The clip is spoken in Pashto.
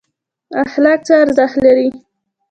اخلاق څه ارزښت لري؟